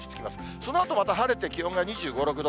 そのあとまた晴れて、気温が２５、６度。